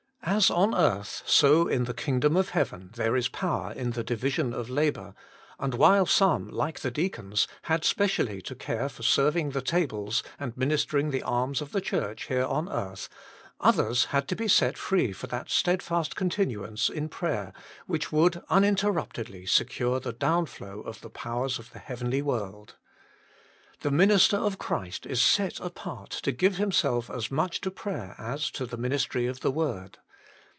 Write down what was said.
As on earth, so in the kingdom of heaven, there is power in the division of labour ; and while some, like the deacons, had specially to care for serving the tables and minister ing the alms of the Church here on earth, others had to be set free for that steadfast continuance in 25 prayer which would uninterruptedly secure the downflow of the powers of the heavenly world. The minister of Christ is set apart to give himself as much to prayer as to the ministry of the word.